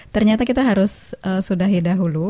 ternyata kita harus sudahi dahulu